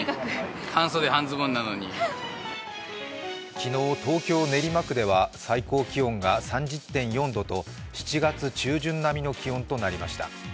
昨日東京・練馬区では最高気温が３０．４度と７月中旬並みの気温となりました。